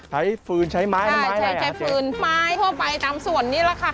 ฟืนใช้ไม้ทำไมใช้ใช้ฟืนไม้ทั่วไปตามส่วนนี้แหละค่ะ